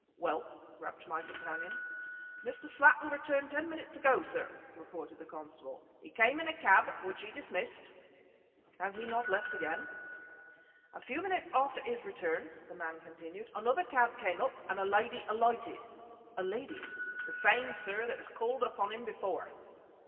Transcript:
"Well?" rapped my companion. "Mr. Slattin returned ten minutes ago, sir," reported the constable. "He came in a cab which he dismissed " "He has not left again?" "A few minutes after his return," the man continued, "another cab came up, and a lady alighted." "A lady!" "The same, sir, that has called upon him before."